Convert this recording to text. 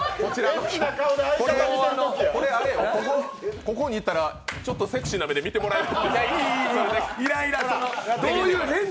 ここにいったら、ちょっとセクシーな目で見てもらえるかな。